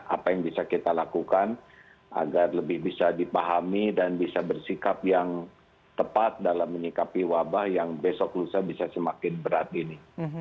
apa yang bisa kita lakukan agar lebih bisa dipahami dan bisa bersikap yang tepat dalam menyikapi wabah yang besok lusa bisa semakin berat ini